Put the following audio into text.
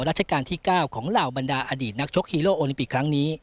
ราชการที่๙ของเหล่าบรรดาอดีตนักชกฮีโร่โอลิมปิกครั้งนี้